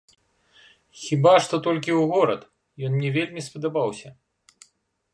Хіба што толькі ў горад, ён мне вельмі спадабаўся.